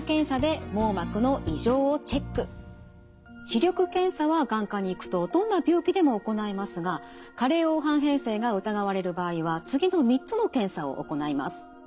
視力検査は眼科に行くとどんな病気でも行いますが加齢黄斑変性が疑われる場合は次の３つの検査を行います。